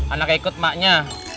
anak ikut emaknya